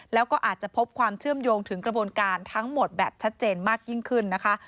แล้วก็อาจจะพบความเชื่อมโยงถึงกระบวนการทั้งหมดแบบชัดเจนมากยิ่งขึ้นนะคะ